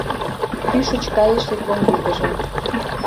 Кӱшыч кайыше комбигыжым